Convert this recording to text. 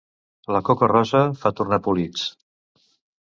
La coca rossa fa tornar polits.